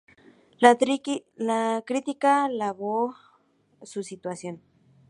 La crítica alabó su actuación.